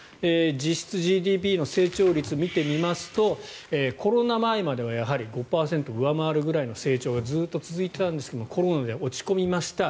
実質ＧＤＰの成長率を見てみますとコロナ前までは、やはり５％を上回るくらいの成長がずっと続いていたんですがコロナで落ち込みました。